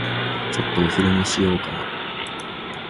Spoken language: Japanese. ちょっとお昼寝しようかな。